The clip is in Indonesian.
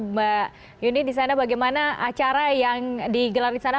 mbak yuni di sana bagaimana acara yang digelar di sana